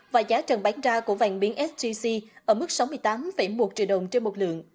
và giá trần bán ra của vàng miếng sgc ở mức sáu mươi tám một triệu đồng trên một lượng